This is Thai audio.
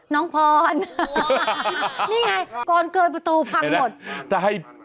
น้องพรนี่ไงกรณ์เกิดประตูพังหมด